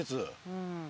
うん。